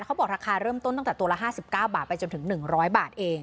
เขาบอกราคาเริ่มต้นตั้งแต่ตัวละ๕๙บาทไปจนถึง๑๐๐บาทเอง